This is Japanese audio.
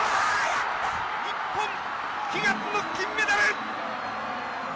日本、悲願の金メダル！